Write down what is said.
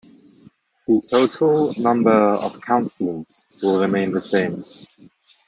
The total number of councillors will remain the same.